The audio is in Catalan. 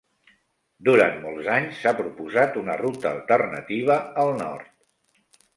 Durant molts anys s'ha proposat una ruta alternativa al nord.